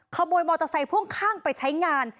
ขโมยมอเตอร์ไซค์พ่วงข้างไปใช้งาน